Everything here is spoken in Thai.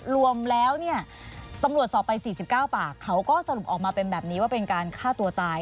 รวมแล้วเนี่ยตำรวจสอบไป๔๙ปากเขาก็สรุปออกมาเป็นแบบนี้ว่าเป็นการฆ่าตัวตาย